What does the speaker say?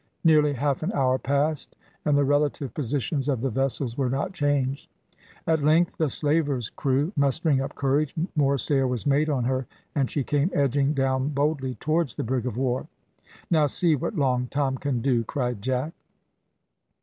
Nearly half an hour passed, and the relative positions of the vessels were not changed. At length the slaver's crew, mustering up courage, more sail was made on her, and she came edging down boldly towards the "brig of war." "Now see what Long Tom can do," cried Jack.